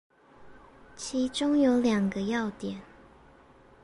其中有兩個要點